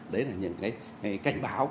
đấy là những cái cảnh báo